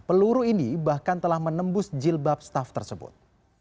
peluru ini bahkan telah menembus jilbab staff tersebut